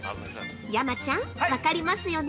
山ちゃん分かりますよね？